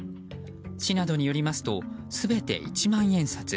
市などによりますと全て一万円札。